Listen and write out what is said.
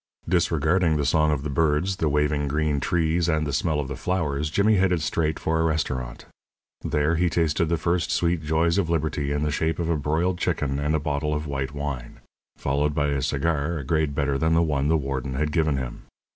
Disregarding the song of the birds, the waving green trees, and the smell of the flowers, Jimmy headed straight for a restaurant. There he tasted the first sweet joys of liberty in the shape of a broiled chicken and a bottle of white wine followed by a cigar a grade better than the one the warden had given him.